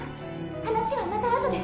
話はまたあとで。